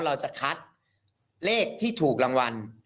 เราจะคัดเลขที่ถูกรางวัล